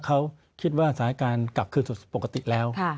เขาคิดว่าสถานการณ์กลับคืนสู่ปกติแล้ว